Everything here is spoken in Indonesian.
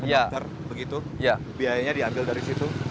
masker begitu biayanya diambil dari situ